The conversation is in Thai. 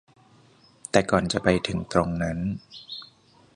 แต่ก่อนจะไปถึงตรงนั้น